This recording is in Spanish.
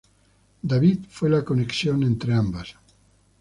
David fue la conexión entre ambas.